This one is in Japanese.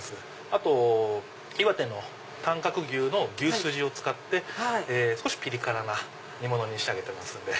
あと岩手の短角牛の牛すじを使って少しピリ辛な煮物に仕上げてます。